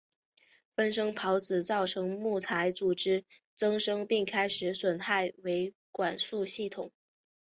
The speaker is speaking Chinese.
分生孢子造成木材组织增生并开始损害维管束系统。